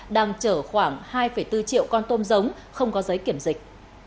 đang chở khoảng hai bốn triệu con tôm giống không có giấy kiểm dịch